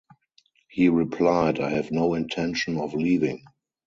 He replied, I have no intention of leaving.